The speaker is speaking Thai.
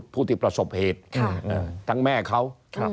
ผู้ที่ประสบเหตุทั้งแม่เขา